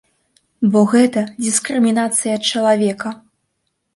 Бо гэта дыскрымінацыя чалавека.